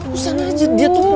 lu sana aja dia tuh pulang